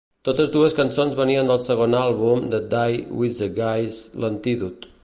Totes dues cançons venien del segon àlbum de The Wiseguys, " L'antídot".